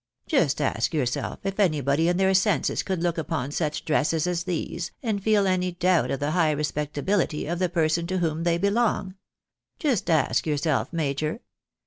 Just ask yourself if anybody in their senses could look upon such dresses as these, and feel any doubt of the high respectability of the person to whom they belong ? Just ask yourself, major